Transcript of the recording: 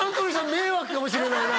迷惑かもしれないな